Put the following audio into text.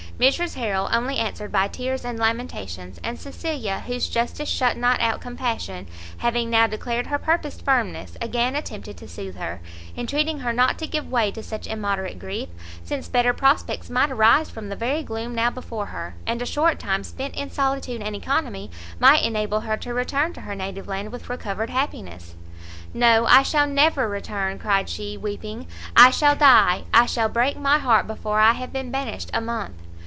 Mrs Harrel only answered by tears and lamentations; and Cecilia, whose justice shut not out compassion, having now declared her purposed firmness, again attempted to sooth her, entreating her not to give way to such immoderate grief, since better prospects might arise from the very gloom now before her, and a short time spent in solitude and oeconomy, might enable her to return to her native land with recovered happiness. "No, I shall never return!" cried she, weeping, "I shall die, I shall break my heart before I have been banished a month!